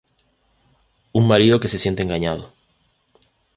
Un marido que se siente engañado.